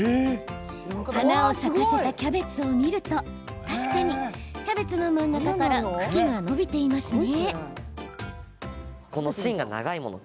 花を咲かせたキャベツを見ると確かにキャベツの真ん中から茎が伸びていますね。